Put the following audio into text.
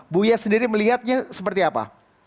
buya sendiri melihatnya seperti apa